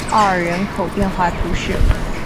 奥尔人口变化图示